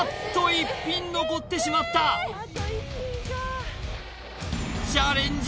１ピン残ってしまったチャレンジ